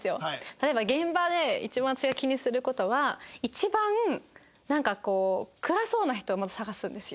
例えば現場で一番私が気にする事は一番なんかこう暗そうな人をまず探すんですよ。